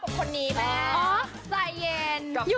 กับเพลงที่มีชื่อว่ากี่รอบก็ได้